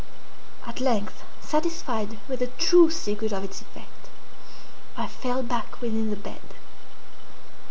At length, satisfied with the true secret of its effect, I fell back within the bed.